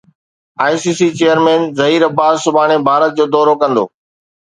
I C C chairman Zaheer Abbas سڀاڻي ڀارت جو دورو ڪندو